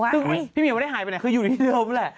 ซึ่งพี่เหมียวไม่ได้หายไปไหนคืออยู่ที่เดิมแหละ